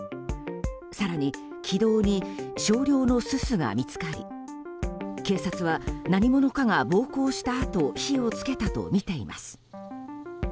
更に、気道に少量のすすが見つかり警察は何者かが暴行したあと火をつけたとみています。